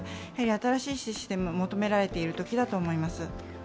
新しいシステムが求められているときだと思います。